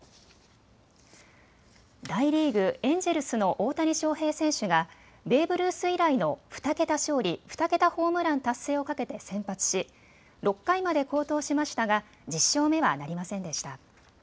大リーグ、エンジェルスの大谷翔平選手がベーブ・ルース以来の２桁勝利、２桁ホームラン達成をかけて先発し６回まで好投しましたが１０勝目はなりませんでした。